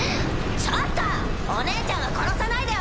ちょっとお姉ちゃんは殺さないでよね！